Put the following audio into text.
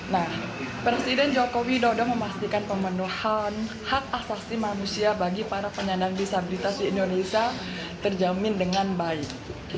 nah presiden joko widodo memastikan pemenuhan hak asasi manusia bagi para penyandang disabilitas di indonesia terjamin dengan baik